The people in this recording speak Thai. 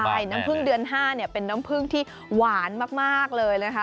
ใช่น้ำพึ่งเดือน๕เป็นน้ำผึ้งที่หวานมากเลยนะคะ